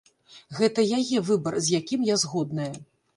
Гэта яе выбар, з якім я згодная.